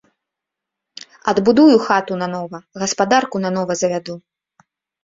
Адбудую хату нанова, гаспадарку нанова завяду.